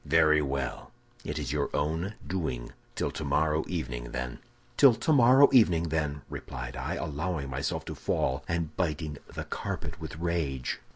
"'Very well, it is your own doing. Till tomorrow evening, then!' "'Till tomorrow evening, then!' replied I, allowing myself to fall, and biting the carpet with rage."